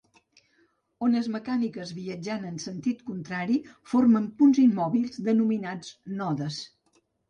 Ones mecàniques viatjant en sentit contrari formen punts immòbils, denominats nodes.